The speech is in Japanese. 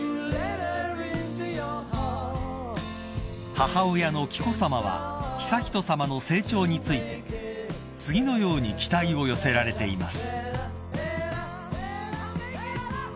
［母親の紀子さまは悠仁さまの成長について次のように期待を寄せられています］